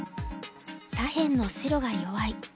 左辺の白が弱い。